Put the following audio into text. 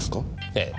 ええ。